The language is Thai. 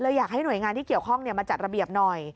อยากให้หน่วยงานที่เกี่ยวข้องมาจัดระเบียบหน่อย